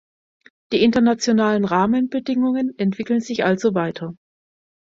Die internationalen Rahmenbedingungen entwickeln sich also weiter.